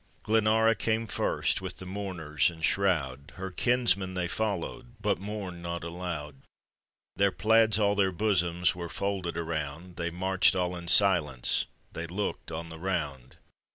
Glenara came first with the mourners and shroud; Her kinsmen they follow'd, butmourn'd not aloud; Their plaids all their bosoms were folded around; They march'd all in silence,— they look'd on the ground.